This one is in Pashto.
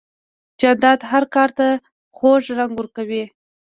جانداد هر کار ته خوږ رنګ ورکوي.